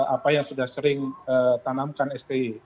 apa yang sudah sering tanamkan stj